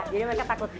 jadi mereka takut